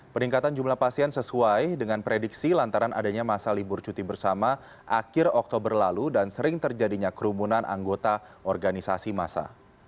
peningkatan jumlah pasien sesuai dengan prediksi lantaran adanya masa libur cuti bersama akhir oktober lalu dan sering terjadinya kerumunan anggota organisasi masa